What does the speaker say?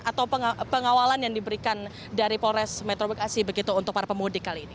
atau pengawalan yang diberikan dari polres metro bekasi begitu untuk para pemudik kali ini